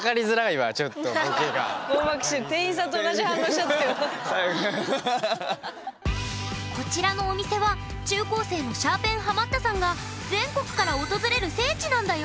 スミマセンこちらのお店は中高生のシャーペンハマったさんが全国から訪れる聖地なんだよ！